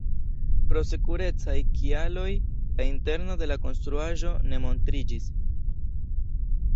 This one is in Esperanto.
Pro sekurecaj kialoj la interno de la konstruaĵo ne montriĝis.